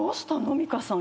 美香さん。